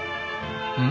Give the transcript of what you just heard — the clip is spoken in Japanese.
うん？